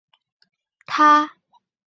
可以用全硫代锑酸盐加酸来制备它。